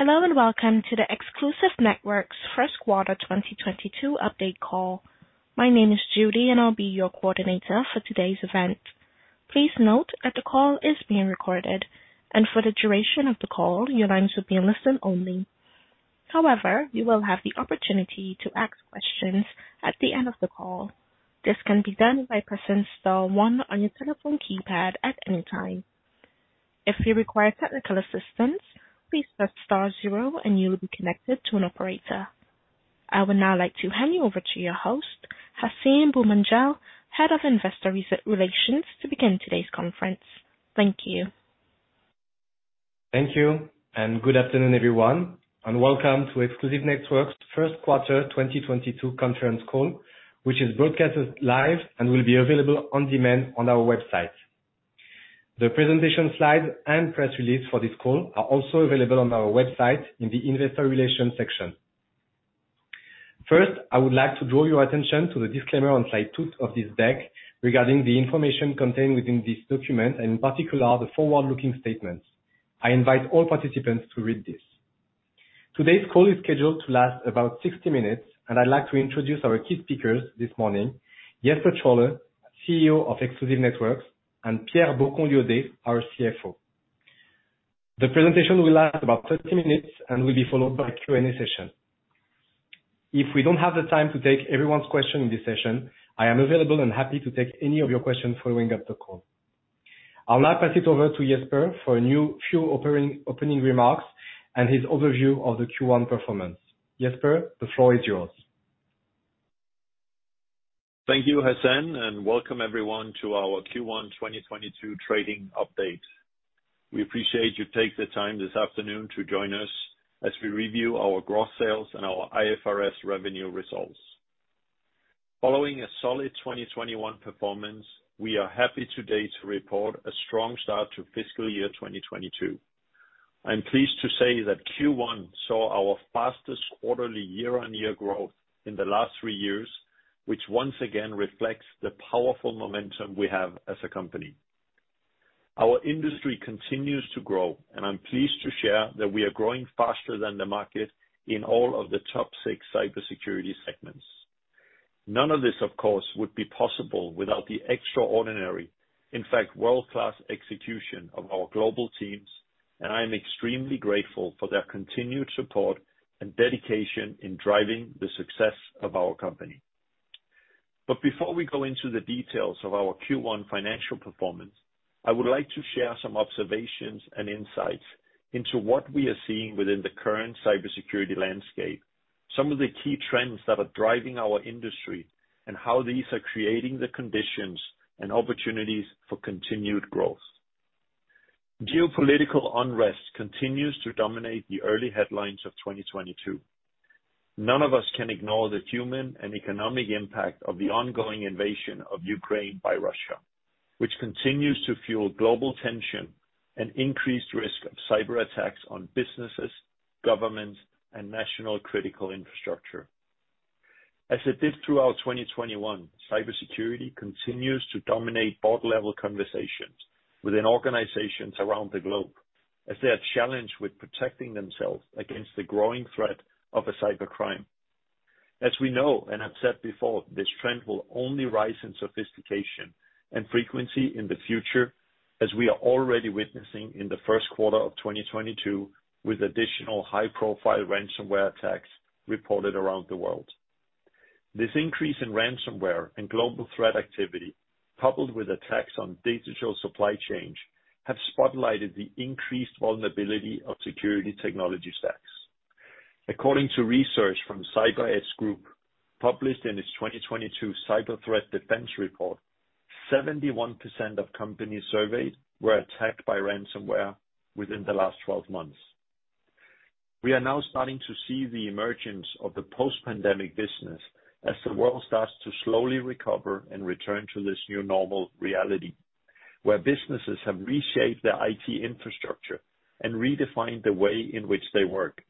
Hello, and welcome to the Exclusive Networks Q1 2022 update call. My name is Judy, and I'll be your coordinator for today's event. Please note that the call is being recorded, and for the duration of the call, your lines will be in listen only. However, you will have the opportunity to ask questions at the end of the call. This can be done by pressing star one on your telephone keypad at any time. If you require technical assistance, please press star zero and you will be connected to an operator. I would now like to hand you over to your host, Hacène Boumendjel, Head of Investor Relations, to begin today's conference. Thank you. Thank you, and good afternoon, everyone, and welcome to Exclusive Networks Q1 2022 conference call, which is broadcasted live and will be available on demand on our website. The presentation slides and press release for this call are also available on our website in the investor relations section. First, I would like to draw your attention to the disclaimer on slide 2 of this deck regarding the information contained within this document, and in particular, the forward-looking statements. I invite all participants to read this. Today's call is scheduled to last about 60 minutes, and I'd like to introduce our key speakers this morning, Jesper Trolle, CEO of Exclusive Networks, and Pierre Boccon-Liaudet, our CFO. The presentation will last about 30 minutes and will be followed by a Q&A session. If we don't have the time to take everyone's question in this session, I am available and happy to take any of your questions following up the call. I'll now pass it over to Jesper for a few opening remarks and his overview of the Q1 performance. Jesper, the floor is yours. Thank you, Hacène, and welcome everyone to our Q1 2022 trading update. We appreciate you take the time this afternoon to join us as we review our growth sales and our IFRS revenue results. Following a solid 2021 performance, we are happy today to report a strong start to FY 2022. I'm pleased to say that Q1 saw our fastest quarterly year-on-year growth in the last three years, which once again reflects the powerful momentum we have as a company. Our industry continues to grow, and I'm pleased to share that we are growing faster than the market in all of the top six cybersecurity segments. None of this, of course, would be possible without the extraordinary, in fact, world-class execution of our global teams, and I am extremely grateful for their continued support and dedication in driving the success of our company. Before we go into the details of our Q1 financial performance, I would like to share some observations and insights into what we are seeing within the current cybersecurity landscape, some of the key trends that are driving our industry, and how these are creating the conditions and opportunities for continued growth. Geopolitical unrest continues to dominate the early headlines of 2022. None of us can ignore the human and economic impact of the ongoing invasion of Ukraine by Russia, which continues to fuel global tension and increased risk of cyberattacks on businesses, governments, and national critical infrastructure. As it did throughout 2021, cybersecurity continues to dominate board-level conversations within organizations around the globe as they are challenged with protecting themselves against the growing threat of cybercrime. As we know, and I've said before, this trend will only rise in sophistication and frequency in the future, as we are already witnessing in the Q1 of 2022, with additional high-profile ransomware attacks reported around the world. This increase in ransomware and global threat activity, coupled with attacks on digital supply chains, have spotlighted the increased vulnerability of security technology stacks. According to research from CyberEdge Group, published in its 2022 Cyberthreat Defense Report, 71% of companies surveyed were attacked by ransomware within the last 12 months. We are now starting to see the emergence of the post-pandemic business as the world starts to slowly recover and return to this new normal reality, where businesses have reshaped their IT infrastructure and redefined the way in which they work.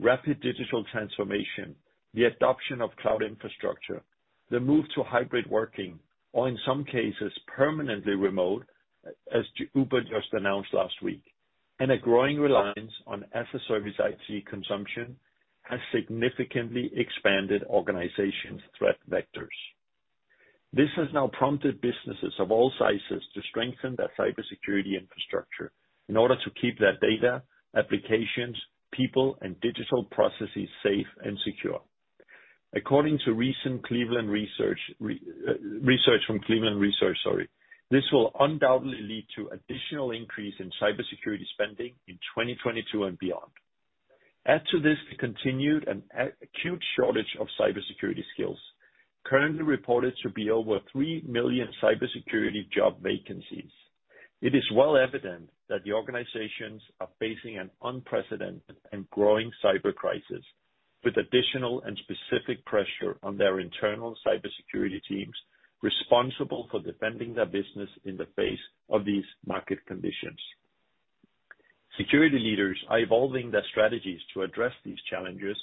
Rapid digital transformation, the adoption of cloud infrastructure, the move to hybrid working, or in some cases permanently remote, as Uber just announced last week, and a growing reliance on as a service IT consumption has significantly expanded organizations' threat vectors. This has now prompted businesses of all sizes to strengthen their cybersecurity infrastructure in order to keep their data, applications, people, and digital processes safe and secure. According to recent Cleveland Research Company, sorry, this will undoubtedly lead to additional increase in cybersecurity spending in 2022 and beyond. Add to this the continued and acute shortage of cybersecurity skills currently reported to be over 3 million cybersecurity job vacancies. It is well evident that the organizations are facing an unprecedented and growing cyber crisis, with additional and specific pressure on their internal cybersecurity teams responsible for defending their business in the face of these market conditions. Security leaders are evolving their strategies to address these challenges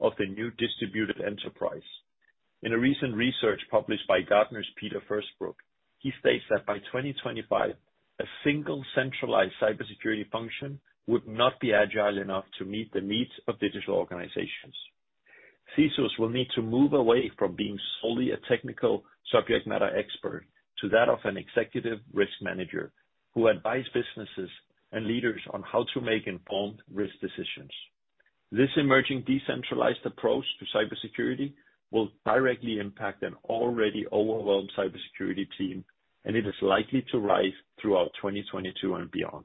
of the new distributed enterprise. In a recent research published by Gartner's Peter Firstbrook, he states that by 2025, a single centralized cybersecurity function would not be agile enough to meet the needs of digital organizations. CISOs will need to move away from being solely a technical subject matter expert, to that of an Executive Risk Manager, who advise businesses and leaders on how to make informed risk decisions. This emerging decentralized approach to cybersecurity will directly impact an already overwhelmed cybersecurity team, and it is likely to rise throughout 2022 and beyond.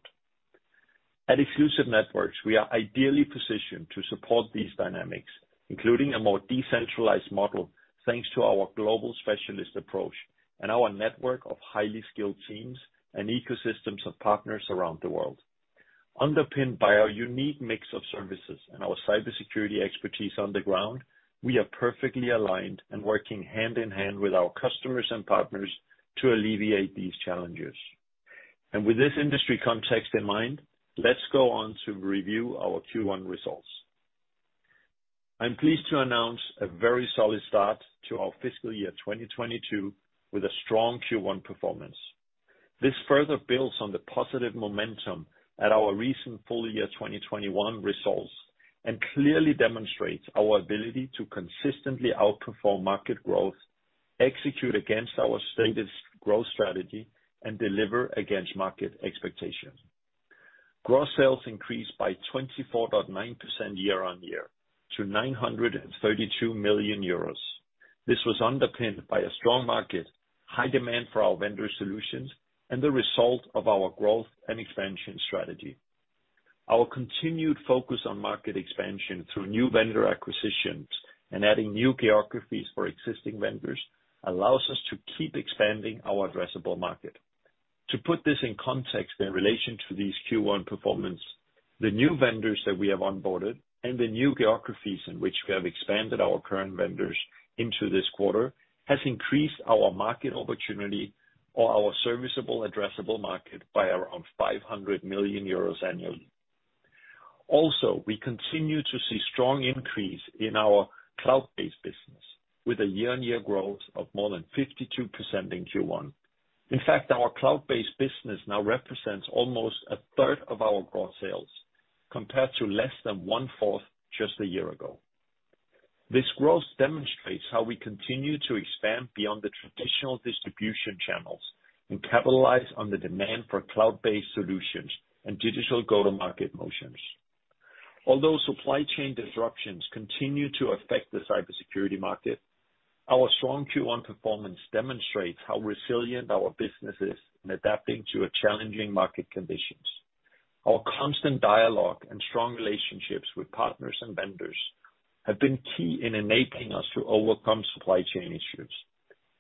At Exclusive Networks, we are ideally positioned to support these dynamics, including a more decentralized model, thanks to our global specialist approach and our network of highly skilled teams and ecosystems of partners around the world. Underpinned by our unique mix of services and our cybersecurity expertise on the ground, we are perfectly aligned and working hand in hand with our customers and partners to alleviate these challenges. With this industry context in mind, let's go on to review our Q1 results. I'm pleased to announce a very solid start to our FY 2022, with a strong Q1 performance. This further builds on the positive momentum at our recent full year 2021 results, and clearly demonstrates our ability to consistently outperform market growth, execute against our stated growth strategy, and deliver against market expectations. Gross sales increased by 24.9% year-on-year to 932 million euros. This was underpinned by a strong market, high demand for our vendor solutions, and the result of our growth and expansion strategy. Our continued focus on market expansion through new vendor acquisitions and adding new geographies for existing vendors allows us to keep expanding our addressable market. To put this in context in relation to these Q1 performance, the new vendors that we have onboarded and the new geographies in which we have expanded our current vendors into this quarter, has increased our market opportunity or our serviceable addressable market by around 500 million euros annually. Also, we continue to see strong increase in our cloud-based business with a year-on-year growth of more than 52% in Q1. In fact, our cloud-based business now represents almost a third of our gross sales, compared to less than one-fourth just a year ago. This growth demonstrates how we continue to expand beyond the traditional distribution channels and capitalize on the demand for cloud-based solutions and digital go-to-market motions. Although supply chain disruptions continue to affect the cybersecurity market, our strong Q1 performance demonstrates how resilient our business is in adapting to a challenging market conditions. Our constant dialogue and strong relationships with partners and vendors have been key in enabling us to overcome supply chain issues.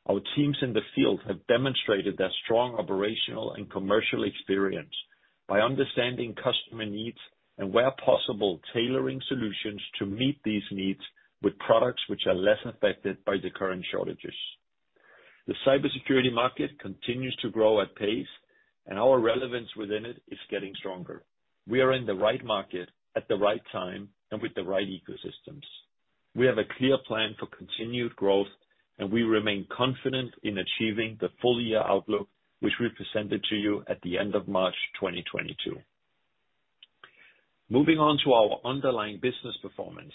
Our teams in the field have demonstrated their strong operational and commercial experience by understanding customer needs and where possible, tailoring solutions to meet these needs with products which are less affected by the current shortages. The cybersecurity market continues to grow at pace, and our relevance within it is getting stronger. We are in the right market at the right time and with the right ecosystems. We have a clear plan for continued growth, and we remain confident in achieving the full year outlook, which we presented to you at the end of March 2022. Moving on to our underlying business performance.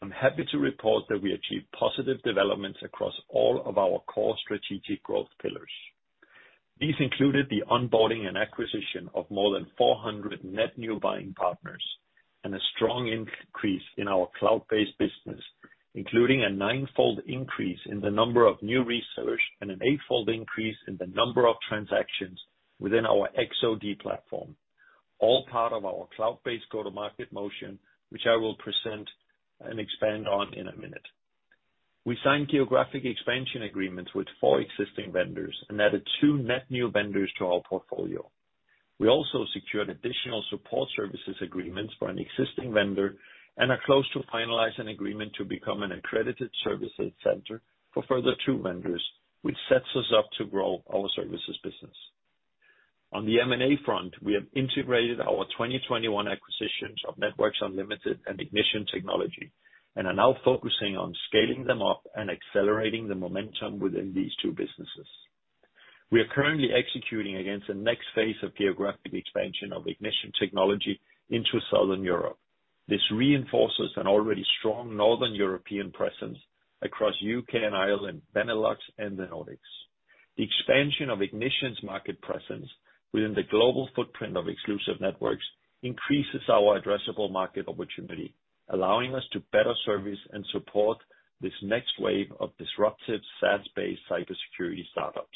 I'm happy to report that we achieved positive developments across all of our core strategic growth pillars. These included the onboarding and acquisition of more than 400 net new buying partners and a strong increase in our cloud-based business, including a 9-fold increase in the number of new research and an 8-fold increase in the number of transactions within our X-OD platform. All part of our cloud-based go-to-market motion, which I will present and expand on in a minute. We signed geographic expansion agreements with 4 existing vendors and added 2 net new vendors to our portfolio. We also secured additional support services agreements for an existing vendor, and are close to finalizing agreement to become an accredited services center for further two vendors, which sets us up to grow our services business. On the M&A front, we have integrated our 2021 acquisitions of Networks Unlimited and Ignition Technology, and are now focusing on scaling them up and accelerating the momentum within these two businesses. We are currently executing against the next phase of geographic expansion of Ignition Technology into Southern Europe. This reinforces an already strong Northern European presence across U.K. and Ireland, Benelux and the Nordics. The expansion of Ignition Technology's market presence within the global footprint of Exclusive Networks increases our addressable market opportunity, allowing us to better service and support this next wave of disruptive SaaS-based cybersecurity startups.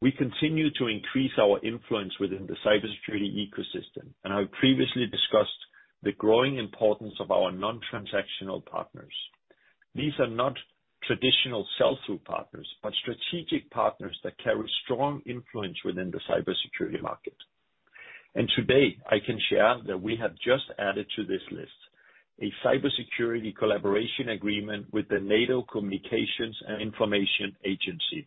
We continue to increase our influence within the cybersecurity ecosystem, and I previously discussed the growing importance of our non-transactional partners. These are not traditional sell-through partners, but strategic partners that carry strong influence within the cybersecurity market. Today, I can share that we have just added to this list a cybersecurity collaboration agreement with the NATO Communications and Information Agency.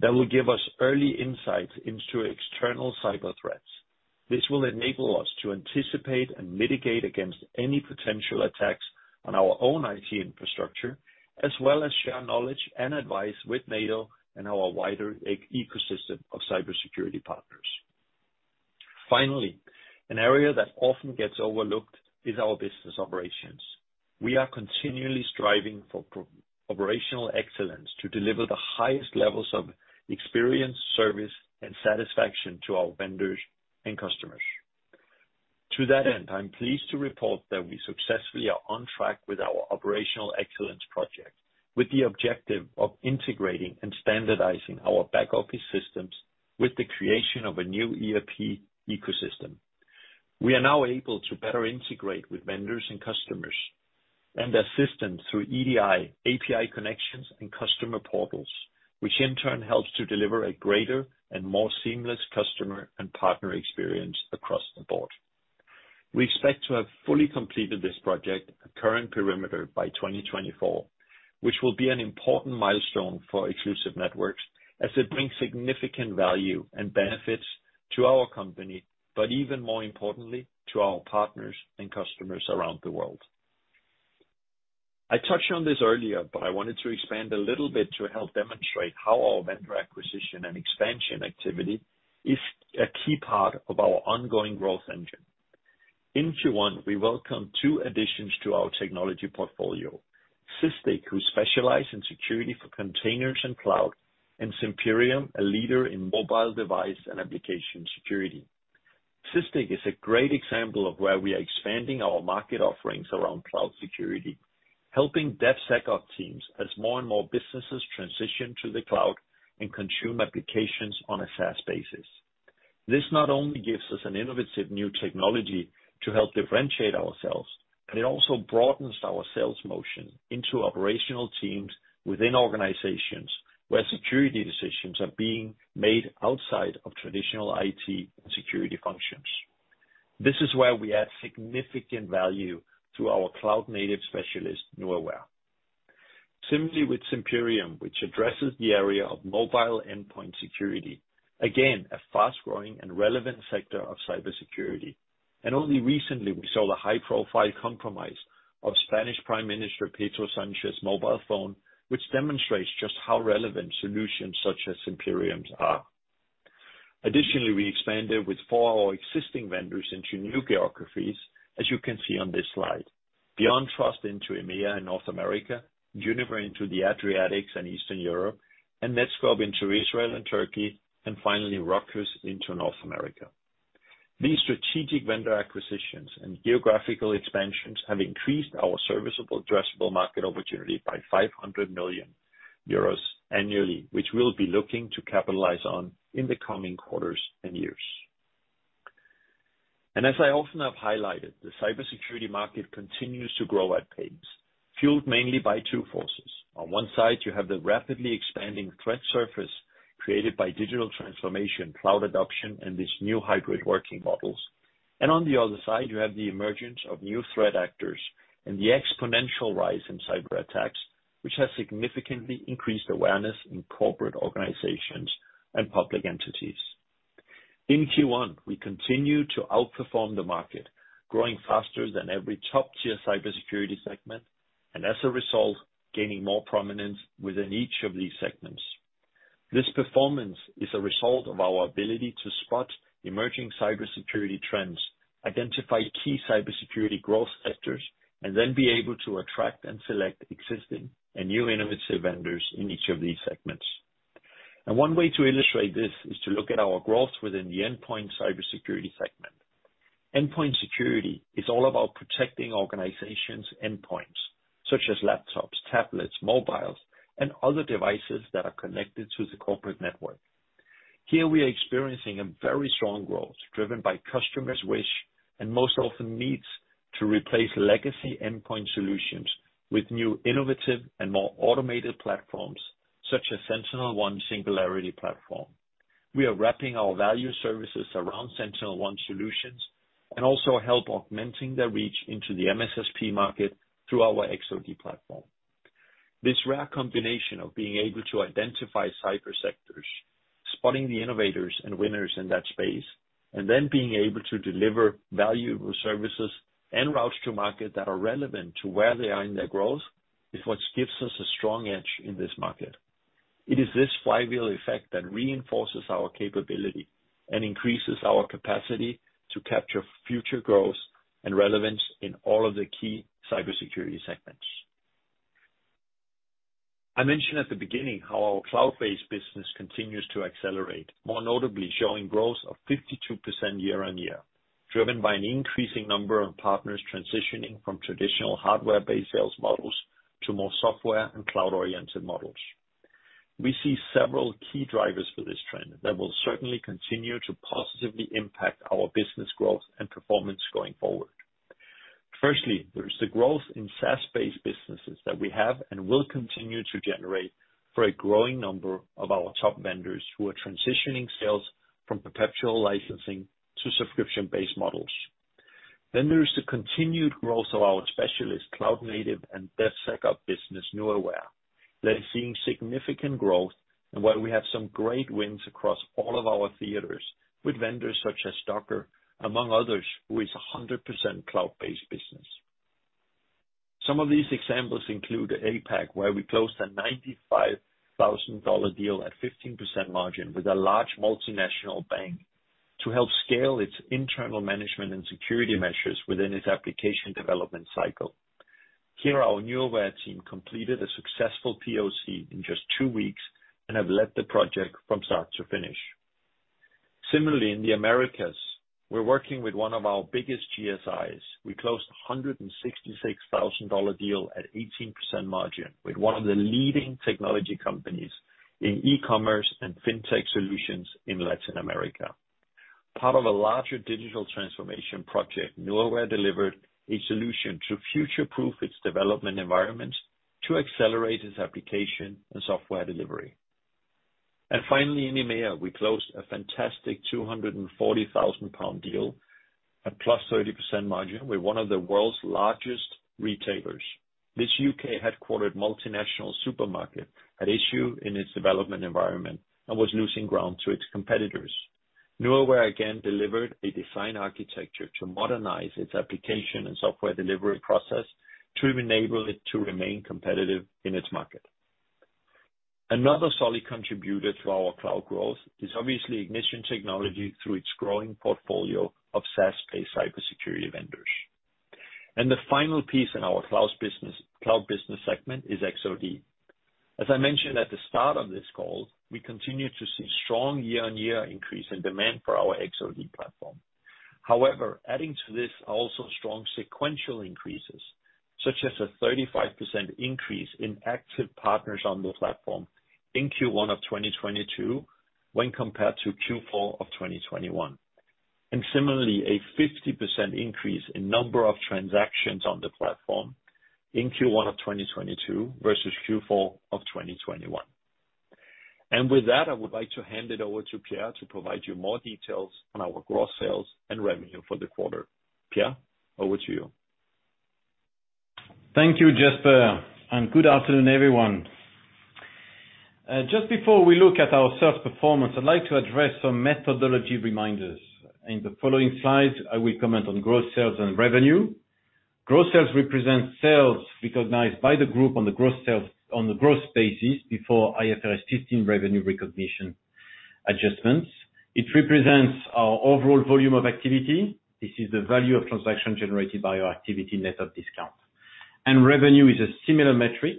That will give us early insights into external cyber threats. This will enable us to anticipate and mitigate against any potential attacks on our own IT infrastructure, as well as share knowledge and advice with NATO and our wider ecosystem of cybersecurity partners. Finally, an area that often gets overlooked is our business operations. We are continually striving for operational excellence to deliver the highest levels of experience, service, and satisfaction to our vendors and customers. To that end, I'm pleased to report that we successfully are on track with our operational excellence project, with the objective of integrating and standardizing our back-office systems with the creation of a new ERP ecosystem. We are now able to better integrate with vendors and customers and their system through EDI, API connections, and customer portals, which in turn helps to deliver a greater and more seamless customer and partner experience across the board. We expect to have fully completed this project at current perimeter by 2024, which will be an important milestone for Exclusive Networks as it brings significant value and benefits to our company, but even more importantly, to our partners and customers around the world. I touched on this earlier, but I wanted to expand a little bit to help demonstrate how our vendor acquisition and expansion activity is a key part of our ongoing growth engine. In Q1, we welcome two additions to our technology portfolio. Sysdig, who specialize in security for containers and cloud, and Zimperium, a leader in mobile device and application security. Sysdig is a great example of where we are expanding our market offerings around cloud security, helping DevSecOps teams as more and more businesses transition to the cloud and consume applications on a SaaS basis. This not only gives us an innovative new technology to help differentiate ourselves, but it also broadens our sales motion into operational teams within organizations where security decisions are being made outside of traditional IT security functions. This is where we add significant value to our cloud-native specialist, Nuaware. Similarly with Zimperium, which addresses the area of mobile endpoint security, again, a fast-growing and relevant sector of cybersecurity. Only recently we saw the high-profile compromise of Spanish Prime Minister Pedro Sánchez mobile phone, which demonstrates just how relevant solutions such as Zimperium are. Additionally, we expanded with 4 of our existing vendors into new geographies, as you can see on this slide. BeyondTrust into EMEA and North America, Juniper into the Adriatics and Eastern Europe, and Netskope into Israel and Turkey, and finally, Ruckus into North America. These strategic vendor acquisitions and geographical expansions have increased our serviceable addressable market opportunity by 500 million euros annually, which we'll be looking to capitalize on in the coming quarters and years. As I often have highlighted, the cybersecurity market continues to grow at pace, fueled mainly by two forces. On one side, you have the rapidly expanding threat surface created by digital transformation, cloud adoption, and these new hybrid working models. On the other side, you have the emergence of new threat actors and the exponential rise in cyberattacks, which has significantly increased awareness in corporate organizations and public entities. In Q1, we continue to outperform the market, growing faster than every top-tier cybersecurity segment, and as a result, gaining more prominence within each of these segments. This performance is a result of our ability to spot emerging cybersecurity trends, identify key cybersecurity growth sectors, and then be able to attract and select existing and new innovative vendors in each of these segments. One way to illustrate this is to look at our growth within the endpoint cybersecurity segment. Endpoint security is all about protecting organizations' endpoints, such as laptops, tablets, mobiles, and other devices that are connected to the corporate network. Here we are experiencing a very strong growth driven by customers' wish, and most often needs, to replace legacy endpoint solutions with new, innovative, and more automated platforms such as SentinelOne Singularity Platform. We are wrapping our value services around SentinelOne solutions and also help augmenting their reach into the MSSP market through our X-OD platform. This rare combination of being able to identify cyber sectors, spotting the innovators and winners in that space, and then being able to deliver valuable services and routes to market that are relevant to where they are in their growth, is what gives us a strong edge in this market. It is this flywheel effect that reinforces our capability and increases our capacity to capture future growth and relevance in all of the key cybersecurity segments. I mentioned at the beginning how our cloud-based business continues to accelerate, more notably showing growth of 52% year-over-year, driven by an increasing number of partners transitioning from traditional hardware-based sales models to more software and cloud-oriented models. We see several key drivers for this trend that will certainly continue to positively impact our business growth and performance going forward. Firstly, there's the growth in SaaS-based businesses that we have and will continue to generate for a growing number of our top vendors who are transitioning sales from perpetual licensing to subscription-based models. There's the continued growth of our specialist cloud native and DevSecOps business, Nuaware. They're seeing significant growth and where we have some great wins across all of our theaters with vendors such as Docker, among others, who is a 100% cloud-based business. Some of these examples include APAC, where we closed a $95,000 deal at 15% margin with a large multinational bank to help scale its internal management and security measures within its application development cycle. Here, our Nuaware team completed a successful POC in just two weeks and have led the project from start to finish. Similarly, in the Americas, we're working with one of our biggest GSIs. We closed a $166,000 deal at 18% margin with one of the leading technology companies in e-commerce and fintech solutions in Latin America. Part of a larger digital transformation project, Nuaware delivered a solution to future-proof its development environments to accelerate its application and software delivery. Finally, in EMEA, we closed a fantastic 240,000 pound deal at +30% margin with one of the world's largest retailers. This U.K. headquartered multinational supermarket had issue in its development environment and was losing ground to its competitors. Nuaware again delivered a design architecture to modernize its application and software delivery process to enable it to remain competitive in its market. Another solid contributor to our cloud growth is obviously Ignition Technology through its growing portfolio of SaaS-based cybersecurity vendors. The final piece in our cloud's business, cloud business segment is XOD. As I mentioned at the start of this call, we continue to see strong year-on-year increase in demand for our XOD platform. However, adding to this also strong sequential increases, such as a 35% increase in active partners on the platform in Q1 of 2022 when compared to Q4 of 2021. Similarly, a 50% increase in number of transactions on the platform in Q1 of 2022 versus Q4 of 2021. With that, I would like to hand it over to Pierre to provide you more details on our growth sales and revenue for the quarter. Pierre, over to you. Thank you, Jesper, and good afternoon, everyone. Just before we look at our sales performance, I'd like to address some methodology reminders. In the following slides, I will comment on growth, sales, and revenue. Growth sales represents sales recognized by the group on the growth basis before IFRS 15 revenue recognition adjustments. It represents our overall volume of activity. This is the value of transaction generated by our activity net of discount. Revenue is a similar metric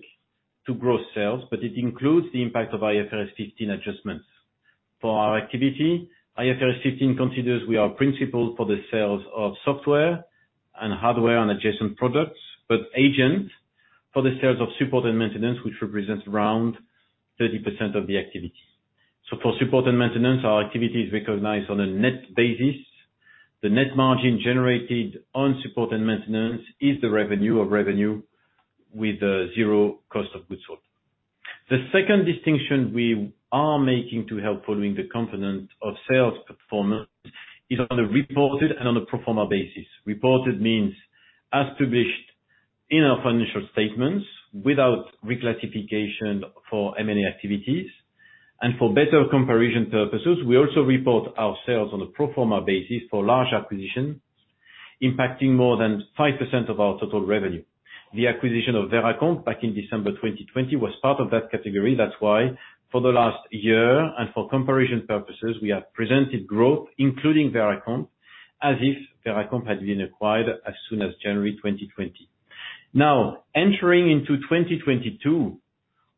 to growth sales, but it includes the impact of IFRS 15 adjustments. For our activity, IFRS 15 considers we are principal for the sales of software and hardware on adjacent products, but agent for the sales of support and maintenance, which represents around 30% of the activity. For support and maintenance, our activity is recognized on a net basis. The net margin generated on support and maintenance is the revenue over revenue with zero cost of goods sold. The second distinction we are making to help in following the component of sales performance is on a reported and on a pro forma basis. Reported means as published in our financial statements without reclassification for M&A activities. For better comparison purposes, we also report our sales on a pro forma basis for large acquisitions impacting more than 5% of our total revenue. The acquisition of Veracomp back in December 2020 was part of that category. That's why for the last year and for comparison purposes, we have presented growth, including Veracomp, as if Veracomp has been acquired as soon as January 2020. Now, entering into 2022,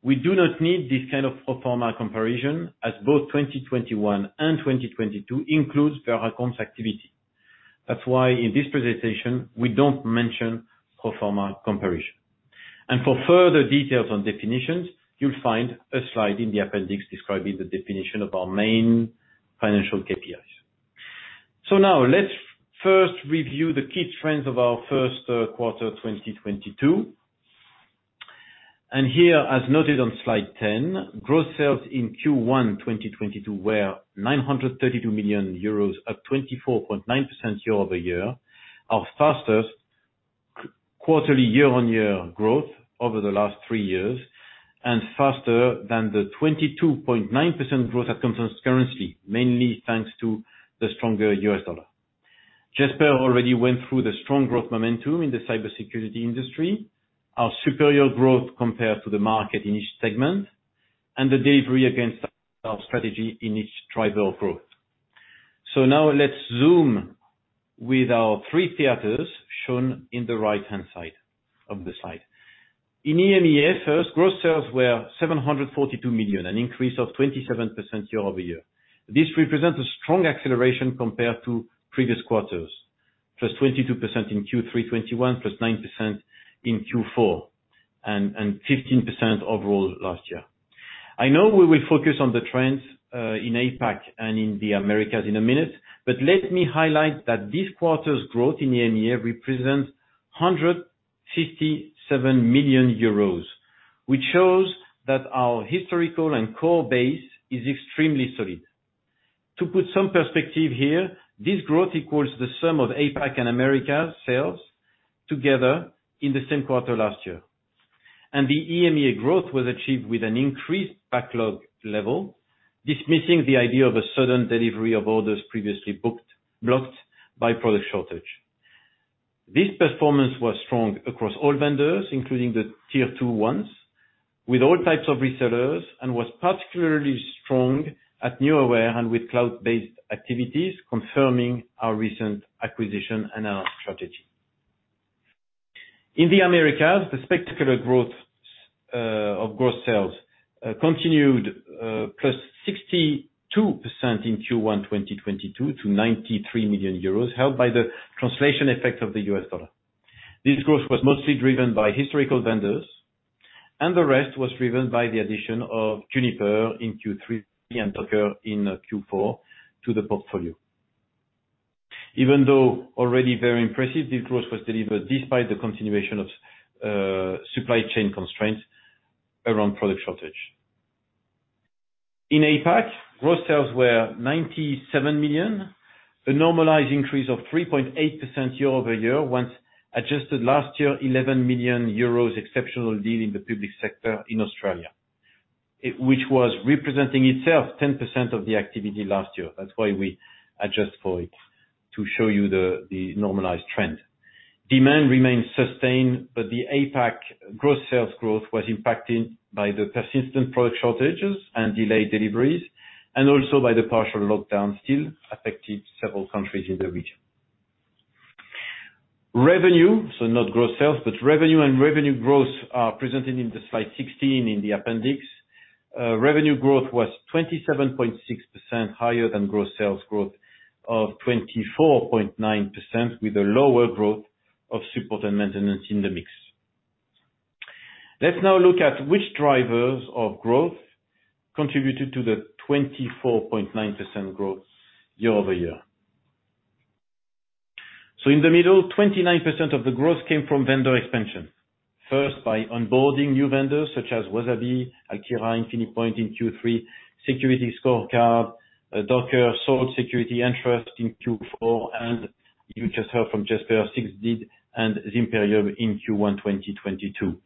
we do not need this kind of pro forma comparison as both 2021 and 2022 includes Veracomp's activity. That's why in this presentation, we don't mention pro forma comparison. For further details on definitions, you'll find a slide in the appendix describing the definition of our main financial KPIs. Now let's first review the key trends of our Q1 2022. Here, as noted on slide 10, sales in Q1 2022 were 932 million euros at 24.9% year-over-year. Our fastest quarterly year-on-year growth over the last three years and faster than the 22.9% growth at constant currency, mainly thanks to the stronger U.S. dollar. Jesper already went through the strong growth momentum in the cybersecurity industry, our superior growth compared to the market in each segment, and the delivery against our strategy in each driver of growth. Now let's zoom with our three theaters shown in the right-hand side of the slide. In EMEA first, growth sales were 742 million, an increase of 27% year-over-year. This represents a strong acceleration compared to previous quarters, +22% in Q3 2021, +9% in Q4, and 15% overall last year. I know we will focus on the trends in APAC and in the Americas in a minute, but let me highlight that this quarter's growth in EMEA represents 157 million euros, which shows that our historical and core base is extremely solid. To put some perspective here, this growth equals the sum of APAC and Americas sales together in the same quarter last year. The EMEA growth was achieved with an increased backlog level, dismissing the idea of a sudden delivery of orders previously booked, blocked by product shortage. This performance was strong across all vendors, including the tier two ones, with all types of resellers and was particularly strong at Nuaware and with cloud-based activities, confirming our recent acquisition and our strategy. In the Americas, the spectacular growth of gross sales continued +62% in Q1 2022 to 93 million euros, helped by the translation effect of the U.S. dollar. This growth was mostly driven by historical vendors, and the rest was driven by the addition of Juniper in Q3 and Docker in Q4 to the portfolio. Even though already very impressive, this growth was delivered despite the continuation of supply chain constraints around product shortage. In APAC, growth sales were 97 million, a normalized increase of 3.8% year-over-year, once adjusted for last year's 11 million euros exceptional deal in the public sector in Australia. Which was representing itself 10% of the activity last year. That's why we adjust for it, to show you the normalized trend. Demand remains sustained, but the APAC sales growth was impacted by the persistent product shortages and delayed deliveries, and also by the partial lockdown that still affected several countries in the region. Revenue, so not growth sales, but revenue and revenue growth are presented in slide 16 in the appendix. Revenue growth was 27.6% higher than sales growth of 24.9% with a lower growth of support and maintenance in the mix. Let's now look at which drivers of growth contributed to the 24.9% growth year-over-year. In the middle, 29% of the growth came from vendor expansion. First by onboarding new vendors such as Wasabi, Alkira, Infinipoint in Q3, SecurityScorecard, Docker, Sol Security, Entrust in Q4, and you just heard from Jesper, SentinelOne, and Zimperium in Q1 2022.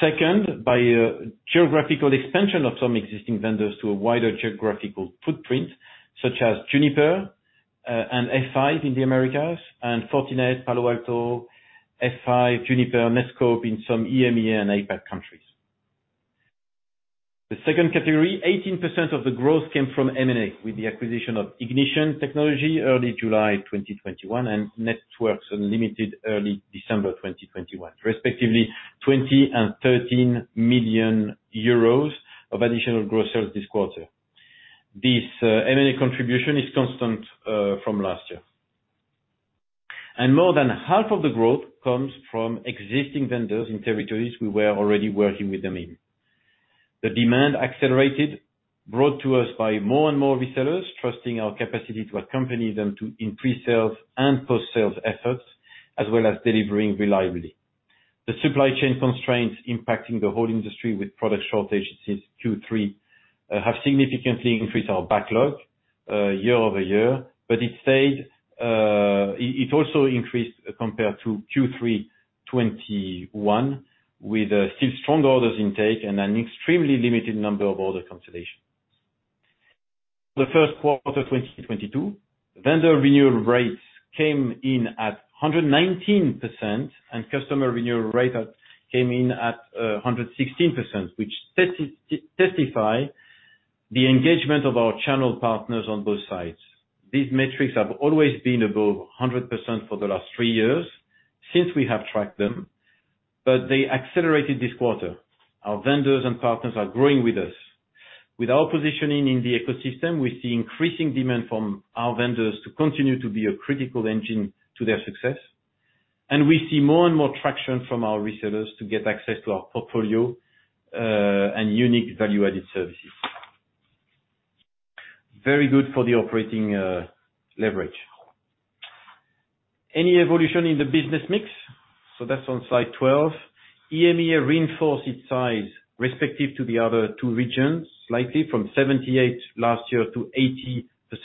Second, by a geographical expansion of some existing vendors to a wider geographical footprint, such as Juniper and F5 in the Americas, and Fortinet, Palo Alto, F5, Juniper, Netskope in some EMEA and APAC countries. The second category, 18% of the growth came from M&A with the acquisition of Ignition Technology early July 2021 and Networks Unlimited early December 2021, respectively 20 million and 13 million euros of additional growth sales this quarter. This M&A contribution is constant from last year. More than half of the growth comes from existing vendors in territories we were already working with them in. The demand accelerated, brought to us by more and more resellers trusting our capacity to accompany them to increase sales and post-sales efforts, as well as delivering reliably. The supply chain constraints impacting the whole industry with product shortage since Q3 have significantly increased our backlog year-over-year, but it also increased compared to Q3 2021 with still strong orders intake and an extremely limited number of order consolidations. The first quarter 2022, vendor renewal rates came in at 119%, and customer renewal rate came in at 116%, which testify the engagement of our channel partners on both sides. These metrics have always been above 100% for the last three years since we have tracked them, but they accelerated this quarter. Our vendors and partners are growing with us. With our positioning in the ecosystem, we see increasing demand from our vendors to continue to be a critical engine to their success. We see more and more traction from our resellers to get access to our portfolio and unique value-added services. Very good for the operating leverage. Any evolution in the business mix? That's on slide 12. EMEA reinforced its size respective to the other two regions, slightly from 78 last year to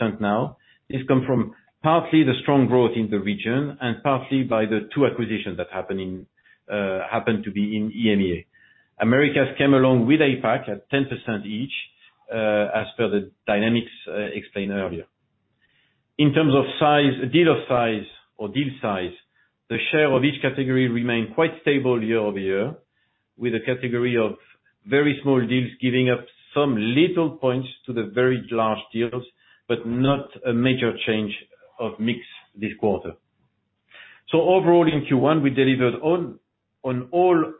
80% now. This come from partly the strong growth in the region and partly by the two acquisitions that happened to be in EMEA. Americas came along with APAC at 10% each, as per the dynamics explained earlier. In terms of size, deal of size or deal size, the share of each category remained quite stable year-over-year, with a category of very small deals giving up some little points to the very large deals, but not a major change of mix this quarter. Overall, in Q1, we delivered on all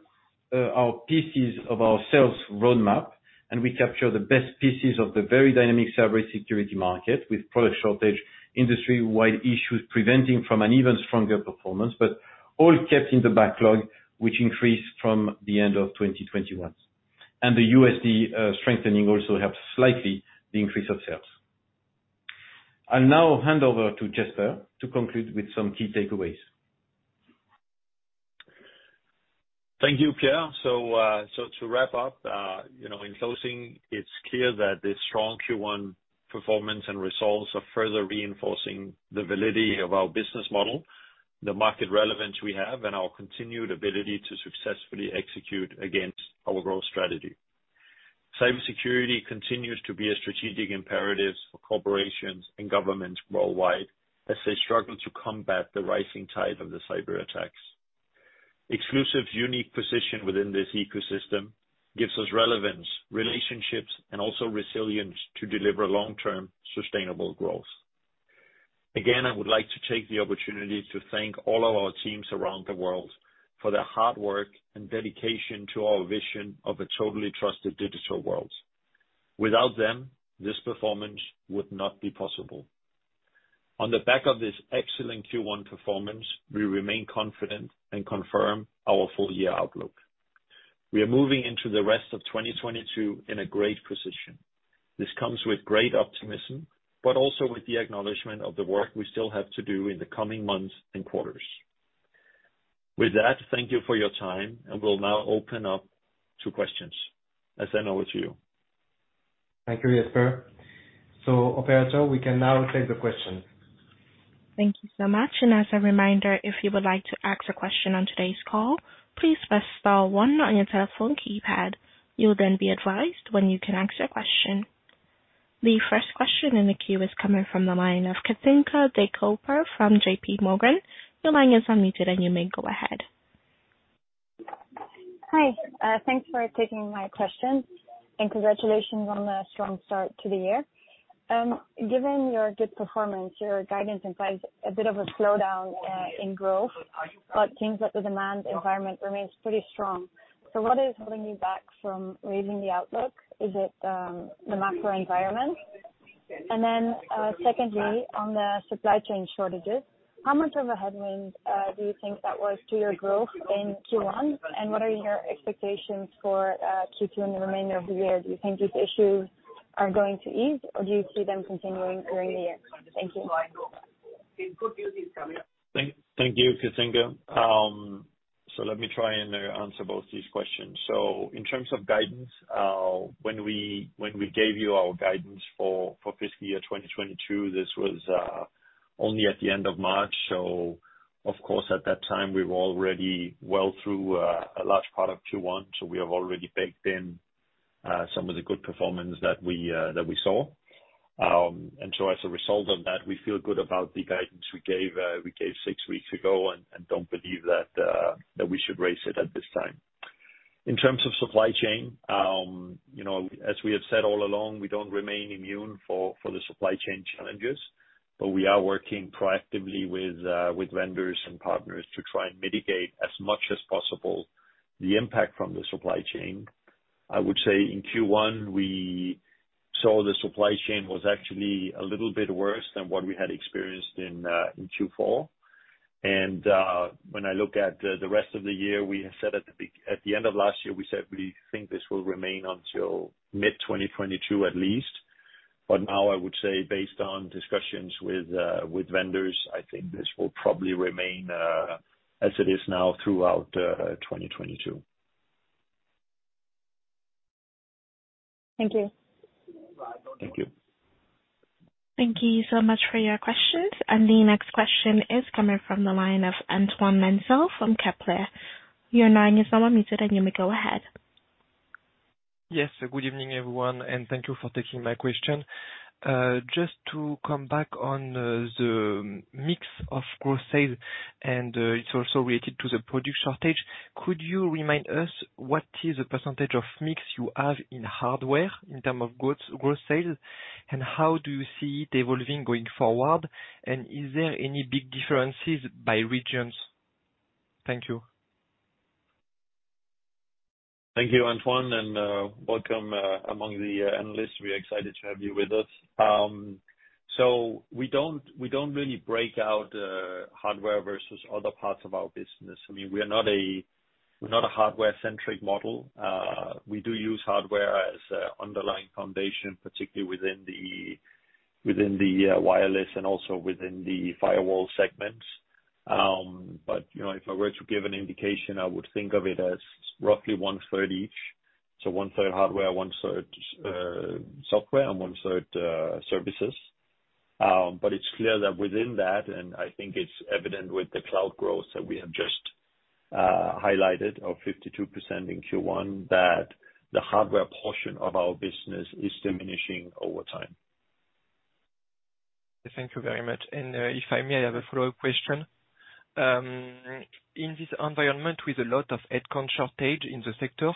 our pieces of our sales roadmap, and we captured the best pieces of the very dynamic cybersecurity market with product shortage, industry-wide issues preventing from an even stronger performance, but all kept in the backlog, which increased from the end of 2021. The U.S. dollar strengthening also helped slightly the increase of sales. I'll now hand over to Jesper to conclude with some key takeaways. Thank you, Pierre. To wrap up, you know, in closing, it's clear that the strong Q1 performance and results are further reinforcing the validity of our business model, the market relevance we have, and our continued ability to successfully execute against our growth strategy. Cybersecurity continues to be a strategic imperative for corporations and governments worldwide as they struggle to combat the rising tide of the cyber attacks. Exclusive's unique position within this ecosystem gives us relevance, relationships, and also resilience to deliver long-term sustainable growth. Again, I would like to take the opportunity to thank all of our teams around the world for their hard work and dedication to our vision of a totally trusted digital world. Without them, this performance would not be possible. On the back of this excellent Q1 performance, we remain confident and confirm our full year outlook. We are moving into the rest of 2022 in a great position. This comes with great optimism, but also with the acknowledgment of the work we still have to do in the coming months and quarters. With that, thank you for your time, and we'll now open up to questions. I send over to you. Thank you, Jesper. Operator, we can now take the questions. Thank you so much. As a reminder, if you would like to ask a question on today's call, please press star one on your telephone keypad. You'll then be advised when you can ask your question. The first question in the queue is coming from the line of Katinka de Koper from JPMorgan. Your line is unmuted, and you may go ahead. Hi, thanks for taking my question, and congratulations on the strong start to the year. Given your good performance, your guidance implies a bit of a slowdown in growth, but it seems that the demand environment remains pretty strong. What is holding you back from raising the outlook? Is it the macro environment? Secondly, on the supply chain shortages, how much of a headwind do you think that was to your growth in Q1? What are your expectations for Q2 and the remainder of the year? Do you think these issues are going to ease, or do you see them continuing during the year? Thank you. Thank you, Katinka. Let me try and answer both these questions. In terms of guidance, when we gave you our guidance for FY 2022, this was only at the end of March. Of course, at that time, we were already well through a large part of Q1, so we have already baked in some of the good performance that we saw. As a result of that, we feel good about the guidance we gave six weeks ago and don't believe that we should raise it at this time. In terms of supply chain, you know, as we have said all along, we don't remain immune to the supply chain challenges, but we are working proactively with vendors and partners to try and mitigate as much as possible the impact from the supply chain. I would say in Q1, we saw the supply chain was actually a little bit worse than what we had experienced in Q4. When I look at the rest of the year, we have said at the end of last year, we said we think this will remain until mid-2022 at least. Now I would say based on discussions with vendors, I think this will probably remain as it is now throughout 2022. Thank you. Thank you. Thank you so much for your questions. The next question is coming from the line of Antoine Lensel from Kepler. Your line is now unmuted, and you may go ahead. Yes. Good evening, everyone, and thank you for taking my question. Just to come back on the mix of growth sales, and it's also related to the product shortage, could you remind us what is the percentage of mix you have in hardware in terms of goods growth sales, and how do you see it evolving going forward, and is there any big differences by regions? Thank you. Thank you, Antoine, and welcome among the analysts. We're excited to have you with us. We don't really break out hardware versus other parts of our business. I mean, we're not a hardware-centric model. We do use hardware as an underlying foundation, particularly within the wireless and also within the firewall segments. You know, if I were to give an indication, I would think of it as roughly 1/3 each. 1/3 hardware, 1/3 software, and 1/3 services. It's clear that within that, and I think it's evident with the cloud growth that we have just highlighted of 52% in Q1, that the hardware portion of our business is diminishing over time. Thank you very much. If I may, I have a follow-up question. In this environment with a lot of headcount shortage in the sector,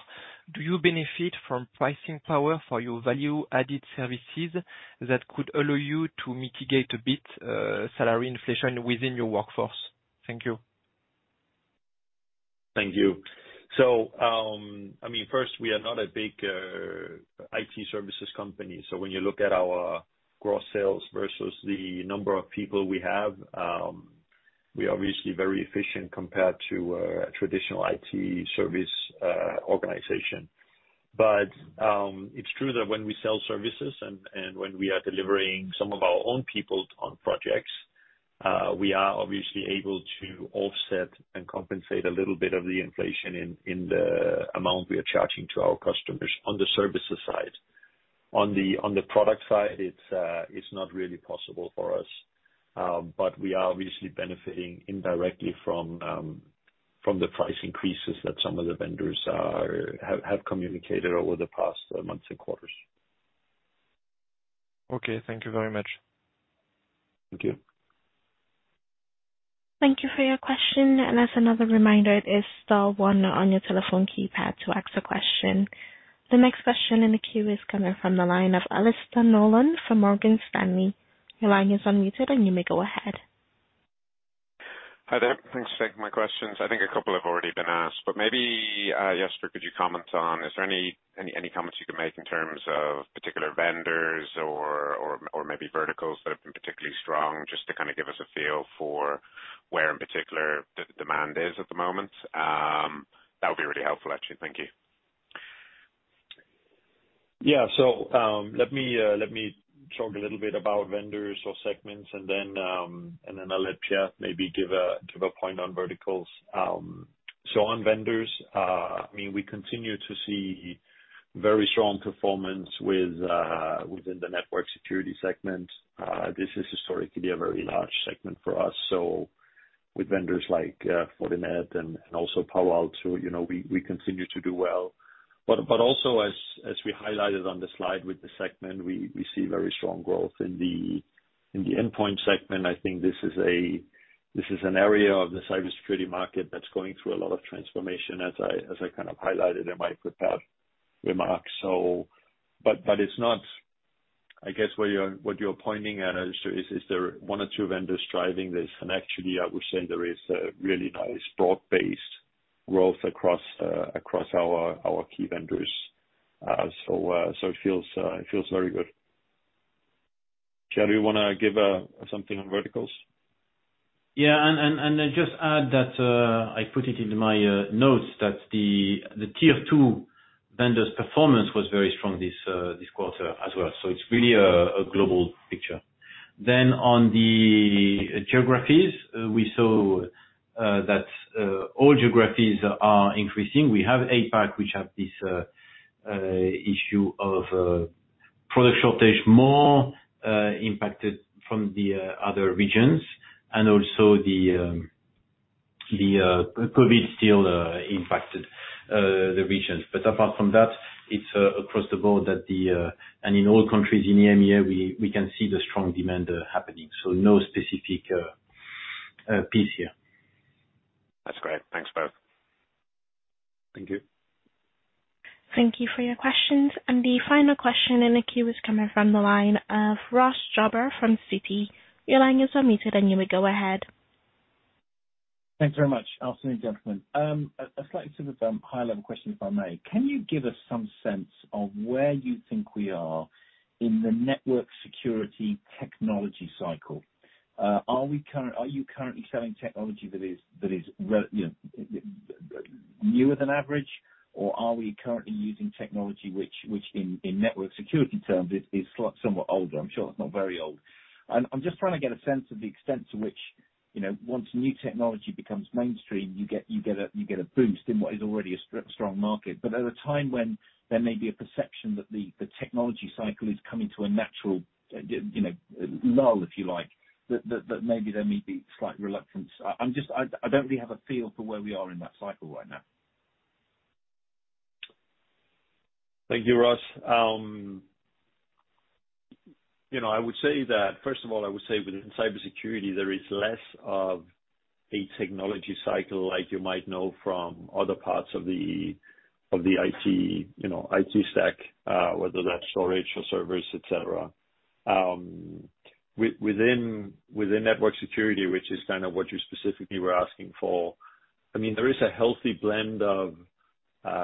do you benefit from pricing power for your value-added services that could allow you to mitigate a bit, salary inflation within your workforce? Thank you. Thank you. I mean, first, we are not a big IT services company. When you look at our gross sales versus the number of people we have, we are obviously very efficient compared to a traditional IT service organization. It's true that when we sell services and when we are delivering some of our own people on projects, we are obviously able to offset and compensate a little bit of the inflation in the amount we are charging to our customers on the services side. On the product side, it's not really possible for us, but we are obviously benefiting indirectly from the price increases that some of the vendors have communicated over the past months and quarters. Okay. Thank you very much. Thank you. Thank you for your question. As another reminder, it is star one on your telephone keypad to ask a question. The next question in the queue is coming from the line of Alastair Nolan from Morgan Stanley. Your line is unmuted, and you may go ahead. Hi there. Thanks for taking my questions. I think a couple have already been asked, but maybe, Jesper, could you comment on, is there any comments you can make in terms of particular vendors or maybe verticals that have been particularly strong just to kinda give us a feel for where in particular the demand is at the moment? That would be really helpful, actually. Thank you. Yeah. Let me talk a little bit about vendors or segments, and then I'll let Pierre maybe give a point on verticals. On vendors, I mean, we continue to see very strong performance within the network security segment. This is historically a very large segment for us, so with vendors like Fortinet and also Palo Alto, you know, we continue to do well. Also, as we highlighted on the slide with the segment, we see very strong growth in the endpoint segment. I think this is an area of the cybersecurity market that's going through a lot of transformation as I kind of highlighted in my prepared remarks. It's not, I guess, what you're pointing at is there one or two vendors driving this? Actually, I would say there is a really nice broad-based growth across our key vendors. It feels very good. Pierre, do you wanna give something on verticals? I just add that I put it into my notes that the tier two vendors' performance was very strong this quarter as well, so it's really a global picture. On the geographies, we saw that all geographies are increasing. We have APAC, which have this issue of product shortage more impacted from the other regions and also the COVID still impacted the regions. Apart from that, it's across the board and in all countries in EMEA, we can see the strong demand happening, so no specific piece here. That's great. Thanks both. Thank you. Thank you for your questions. The final question in the queue is coming from the line of Ross Jobber from Citi. Your line is unmuted, and you may go ahead. Thanks very much. Afternoon, gentlemen. A slightly sort of high level question, if I may. Can you give us some sense of where you think we are in the network security technology cycle? Are you currently selling technology that is newer than average, or are we currently using technology which in network security terms is somewhat older? I'm sure it's not very old. I'm just trying to get a sense of the extent to which, you know, once new technology becomes mainstream, you get a boost in what is already a strong market. At a time when there may be a perception that the technology cycle is coming to a natural lull, you know, if you like, that maybe there may be slight reluctance. I don't really have a feel for where we are in that cycle right now. Thank you, Ross. You know, I would say that, first of all, I would say within cybersecurity there is less of a technology cycle like you might know from other parts of the IT stack, whether that's storage or servers, et cetera. Within network security, which is kind of what you specifically were asking for, I mean, there is a healthy blend of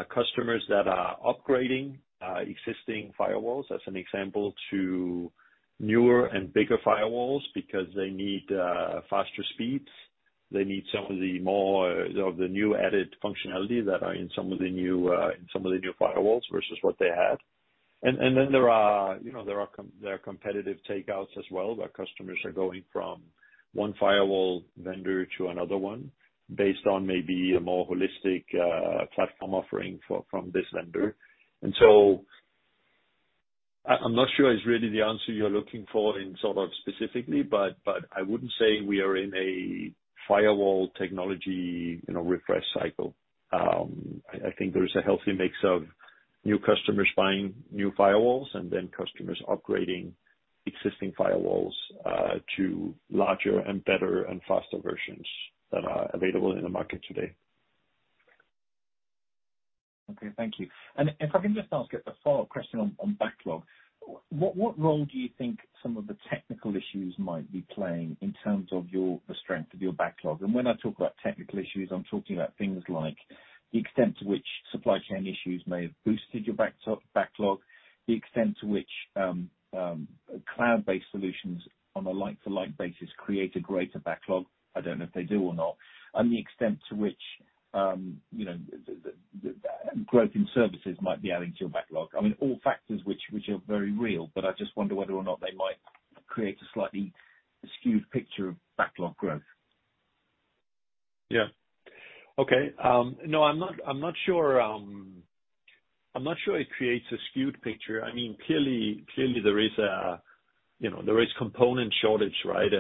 customers that are upgrading existing firewalls, as an example, to newer and bigger firewalls because they need faster speeds. They need some of the more new added functionality that are in some of the new firewalls versus what they had. Then there are, you know, competitive takeouts as well, where customers are going from one firewall vendor to another one based on maybe a more holistic platform offering from this vendor. I'm not sure it's really the answer you're looking for in sort of specifically, but I wouldn't say we are in a firewall technology, you know, refresh cycle. I think there is a healthy mix of new customers buying new firewalls and then customers upgrading existing firewalls to larger and better and faster versions that are available in the market today. Okay. Thank you. If I can just ask a follow-up question on backlog. What role do you think some of the technical issues might be playing in terms of your, the strength of your backlog? When I talk about technical issues, I'm talking about things like the extent to which supply chain issues may have boosted your backlog, the extent to which cloud-based solutions on a like for like basis create a greater backlog, I don't know if they do or not, and the extent to which you know growth in services might be adding to your backlog. I mean, all factors which are very real, but I just wonder whether or not they might create a slightly skewed picture of backlog growth. Yeah. Okay. No, I'm not sure it creates a skewed picture. I mean, clearly there is component shortage, right?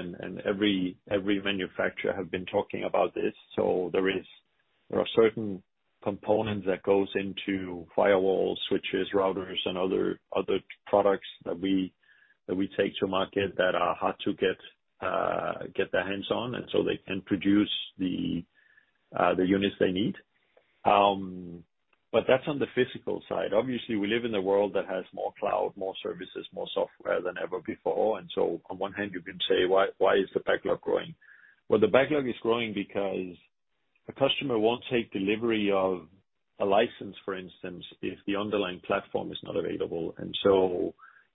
Every manufacturer have been talking about this. There are certain components that goes into firewalls, switches, routers, and other products that we take to market that are hard to get their hands on, and so they can produce the units they need. But that's on the physical side. Obviously, we live in a world that has more cloud, more services, more software than ever before. On one hand, you can say, "Why is the backlog growing?" Well, the backlog is growing because a customer won't take delivery of a license, for instance, if the underlying platform is not available.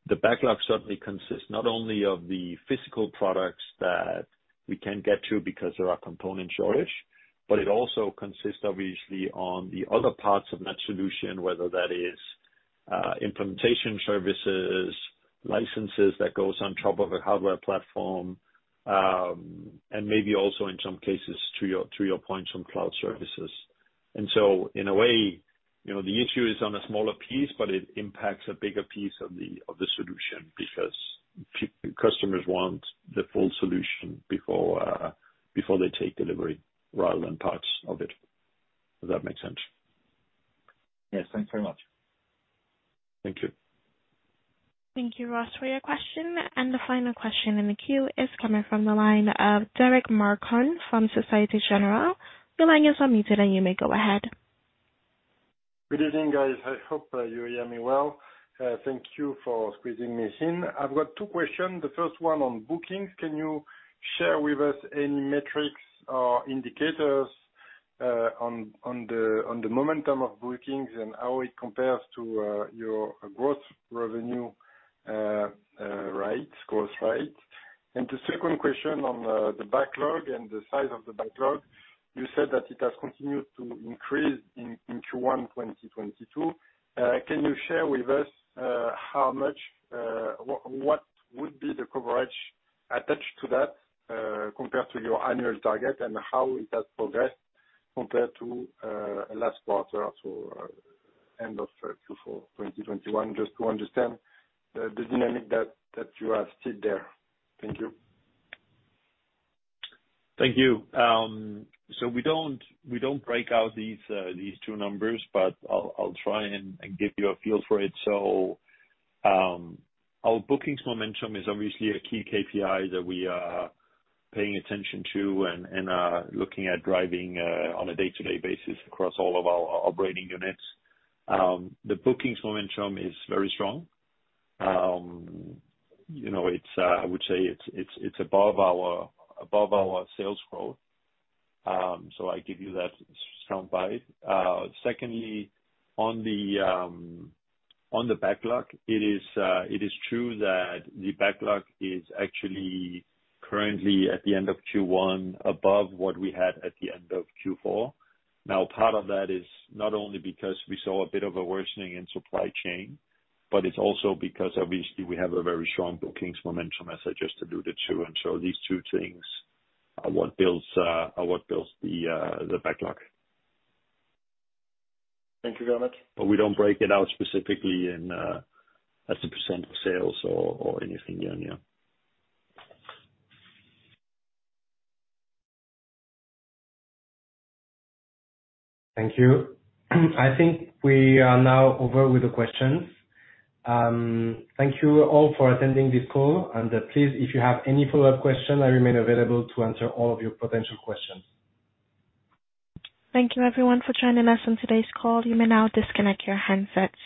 The backlog certainly consists not only of the physical products that we can't get to because there are component shortage, but it also consists obviously of the other parts of that solution, whether that is, implementation services, licenses that goes on top of a hardware platform, and maybe also in some cases, to your point, some cloud services. In a way, you know, the issue is on a smaller piece, but it impacts a bigger piece of the solution because our customers want the full solution before they take delivery rather than parts of it. Does that make sense? Yes. Thanks very much. Thank you. Thank you, Ross, for your question. The final question in the queue is coming from the line of Derric Marcon from Société Générale. Your line is unmuted, and you may go ahead. Good evening, guys. I hope you hear me well. Thank you for squeezing me in. I've got two questions. The first one on bookings. Can you share with us any metrics or indicators on the momentum of bookings and how it compares to your gross revenue growth rate? The second question on the backlog and the size of the backlog. You said that it has continued to increase in Q1 2022. Can you share with us how much what would be the coverage attached to that compared to your annual target, and how it has progressed compared to last quarter, so end of Q4 2021, just to understand the dynamic that you have set there. Thank you. Thank you. We don't break out these two numbers, but I'll try and give you a feel for it. Our bookings momentum is obviously a key KPI that we are paying attention to and looking at driving on a day-to-day basis across all of our operating units. The bookings momentum is very strong. You know, it's, I would say it's above our sales growth. I give you that soundbite. Secondly, on the backlog, it is true that the backlog is actually currently at the end of Q1 above what we had at the end of Q4. Now, part of that is not only because we saw a bit of a worsening in supply chain, but it's also because obviously we have a very strong bookings momentum as I just alluded to. These two things are what builds the backlog. Thank you, Jesper. We don't break it out specifically in as a percent of sales or anything in here. Thank you. I think we are now over with the questions. Thank you all for attending this call. Please, if you have any follow-up questions, I remain available to answer all of your potential questions. Thank you everyone for joining us on today's call. You may now disconnect your handsets.